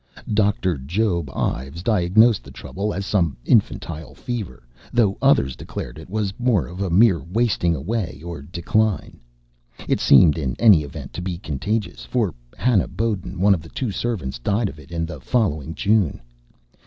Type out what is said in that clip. Doctor Job Ives diagnosed the trouble as some infantile fever, though others declared it was more of a mere wasting away or decline. It seemed, in any event, to be contagious; for Hannah Bowen, one of the two servants, died of it in the following June.